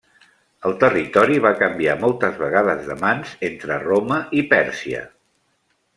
El territori va canviar moltes vegades de mans entre Roma i Pèrsia.